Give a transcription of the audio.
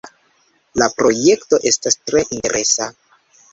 La projekto estas tre interesa.